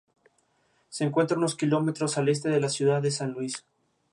Se encuentra unos kilómetros al este de la ciudad de San Luis.